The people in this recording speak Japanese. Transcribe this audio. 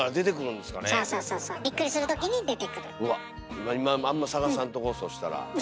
今あんま探さんとこそしたら。